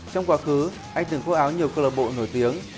trong quá khứ anh từng phố áo nhiều club bộ nổi tiếng